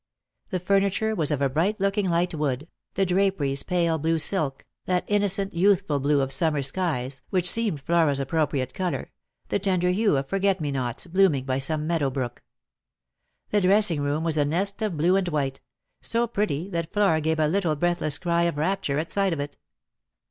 The furniture was of bright looking light wood, the draperies pale blue silk, that innocent youthful blue of summer skies, which seemed Flora's appropriate colour, the tender hue of forget me nots blooming by some meadow brook. The dressing room was a nest of blue and white — so pretty that Flora gave a little breathless cry of rapture at sight of it.